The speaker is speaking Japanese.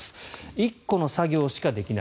１個の作業しかできない。